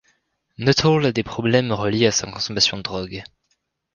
Nuttall a des problèmes reliés à sa consommation de drogue.